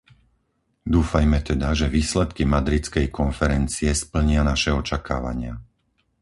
Dúfajme teda, že výsledky madridskej konferencie splnia naše očakávania.